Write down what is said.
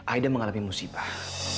aida mengalami musibah